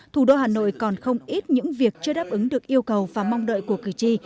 thủ đô hà nội còn không ít những việc chưa đáp ứng được yêu cầu và mong đợi của cử tri